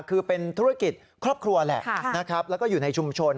คือเป็นธุรกิจครอบครัวแหละนะครับแล้วก็อยู่ในชุมชน